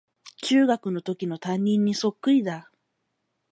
中学のときの担任にそっくりだ